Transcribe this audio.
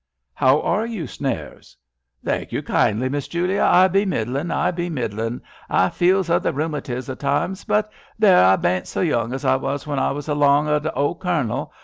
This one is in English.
" How are you. Snares ?" "Thank you kindly. Miss Julia, I be middlin', I be middlin'. I feels o' the rheumatiz o' times; but there, I bain't so young as I was when I was along o' th' old Cfournel.